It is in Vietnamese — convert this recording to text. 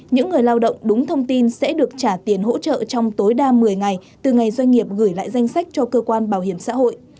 những người lao động đúng thông tin sẽ được trả tiền hỗ trợ trong tối đa một mươi ngày từ ngày doanh nghiệp gửi lại danh sách cho cơ quan bảo hiểm xã hội